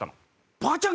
ばあちゃん